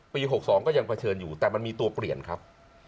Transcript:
๖๒ก็ยังเผชิญอยู่แต่มันมีตัวเปลี่ยนครับ